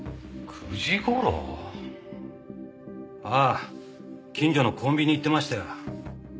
ああ近所のコンビニ行ってましたよ。